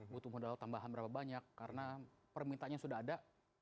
butuh modal tambahan berapa banyak karena permintaannya sudah ada